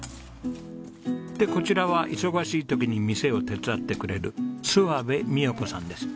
でこちらは忙しい時に店を手伝ってくれる諏訪部美代子さんです。